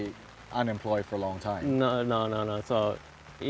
คุณต้องเป็นผู้งาน